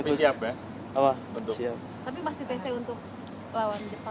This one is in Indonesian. tapi masih tc untuk lawan jepang kan